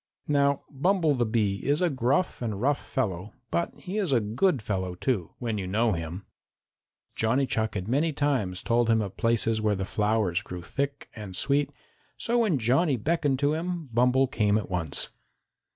Now Bumble the Bee is a gruff and rough fellow, but he is a good fellow, too, when you know him. Johnny Chuck had many times told him of places where the flowers grew thick and sweet, so when Johnny beckoned to him, Bumble came at once.